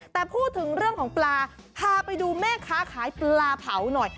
แต่พูดถึงเรื่องของปลาพาไปดูแม่ค้าขายปลาเผาหน่อย